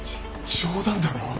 冗談だろ？